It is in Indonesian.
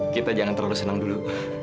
kita jangan terlalu senang dulu